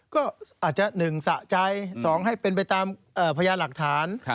ก็อาจจะ๑สะใจ๒ให้เป็นไปตามพยานหลักฐาน